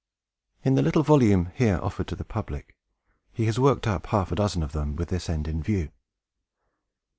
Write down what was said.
In the little volume here offered to the public, he has worked up half a dozen of them, with this end in view.